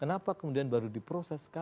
kenapa kemudian baru diproses